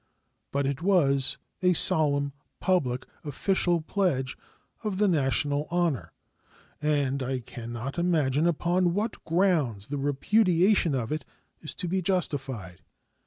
But it was a solemn public, official pledge of the national honor, and I can not imagine upon what grounds the repudiation of it is to be justified.